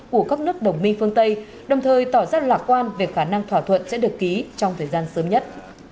của các nước đồng minh phương tây đồng thời tỏ ra lạc quan về khả năng thỏa thuận sẽ được ký trong thời gian sớm nhất